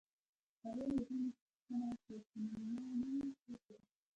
هغې له هیلې پوښتنه وکړه چې مېلمانه څوک وو